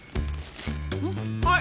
はい！